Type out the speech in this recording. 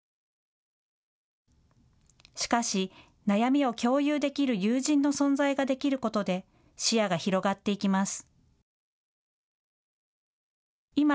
しかし悩みを共有できる友人の存在ができることで視野が広がっていきます。